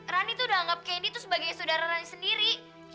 rani tuh udah anggap kendi itu sebagai saudara rani sendiri